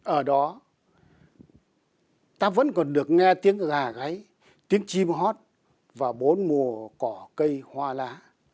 ở đó ta vẫn còn được nghe tiếng gà gáy tiếng chim hót và bốn mùa cỏ cây hoa lá